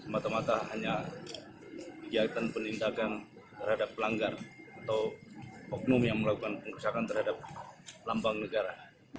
semata mata hanya kegiatan penindakan terhadap pelanggar atau oknum yang melakukan pengerusakan terhadap lambang negara